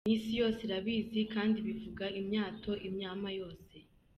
N isi yose irabizi kandi ibivuga imyato imyama yose